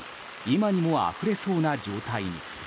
今にも、あふれそうな状態に。